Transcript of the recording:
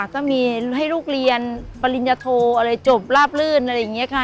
ก็มีให้ลูกเรียนปริญญโทอะไรจบราบลื่นอะไรอย่างนี้ค่ะ